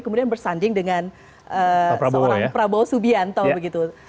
kemudian bersanding dengan seorang prabowo subianto begitu